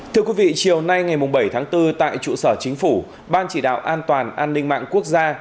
thưa quý vị chiều nay ngày bảy tháng bốn tại trụ sở chính phủ ban chỉ đạo an toàn an ninh mạng quốc gia